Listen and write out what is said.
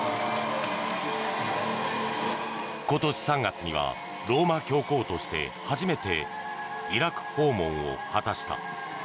今年３月にはローマ教皇として初めてイラク訪問を果たした。